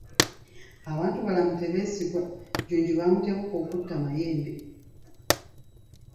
Abantu balamu tebeesigwa, Jjunju baamutebuka okutta Mayembe.